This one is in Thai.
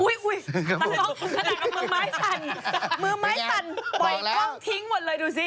อุ๊ยมือไม้สั่นมือไม้สั่นปล่อยกล้องทิ้งหมดเลยดูสิ